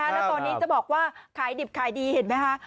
แล้วตอนนี้จะบอกว่าขายดิบขายดีเห็นไหมคะ